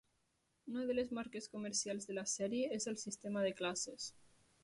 Una de les marques comercials de la sèrie és el sistema de classes.